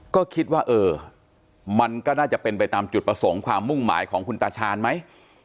ก็คิดว่าเออมันก็น่าจะเป็นไปตามจุดประสงค์ความมุ่งหมายของคุณตาชาญไหม